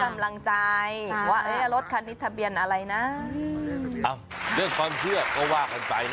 ให้กำลังใจว่ารถคันนี้ทะเบียนอะไรนะ